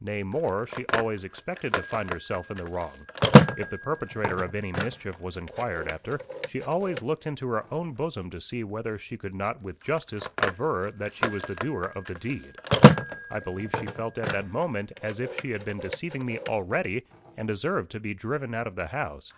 Nay more, she always expected to find herself in the wrong. If the perpetrator of any mischief was inquired after, she always looked into her own bosom to see whether she could not with justice aver that she was the doer of the deed. I believe she felt at that moment as if she had been deceiving me already, and deserved to be driven out of the house.